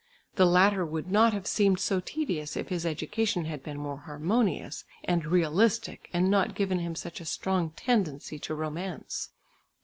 The latter would not have seemed so tedious if his education had been more harmonious and realistic and not given him such a strong tendency to romance.